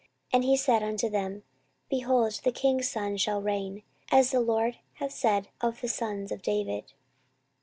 And he said unto them, Behold, the king's son shall reign, as the LORD hath said of the sons of David.